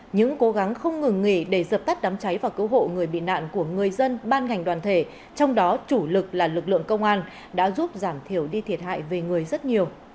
những cố gắng không ngừng nghỉ để dập tắt đám cháy và cứu hộ người bị nạn của người dân ban ngành đoàn thể trong đó chủ lực là lực lượng công an đã giúp giảm thiểu đi thiệt hại về người rất nhiều